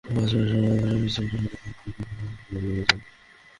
পাঁচ মিনিট সময় ধরে খিঁচুনি হলে তাকে নিকটস্থ হাসপাতালে নিয়ে যান।